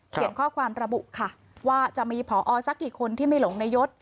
ข้อความระบุค่ะว่าจะมีพอสักกี่คนที่ไม่หลงในยศ